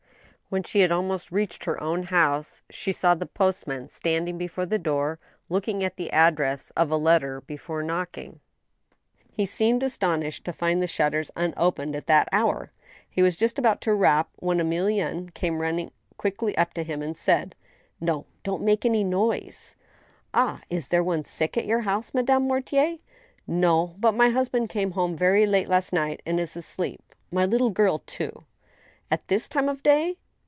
When she had almost reached her own house, she saw the post man standing before the door, looking at the address of a letter be* fore knocking. He seemed astonished to find the shutters unopened at that hour. He was just about to rap when Emilienne, coming quickly up to him, said :" No ; don't make any noise." " Ah ! is there any one sick at your house, Madame Mortier ?"" No ; but my husband came home very late last night, and is asleep ; my little girl, too." " At this time of day